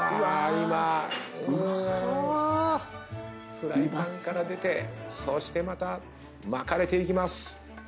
フライパンから出てそしてまた巻かれていきます。